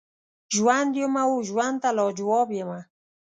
ژوند یمه وژوند ته لاجواب یمه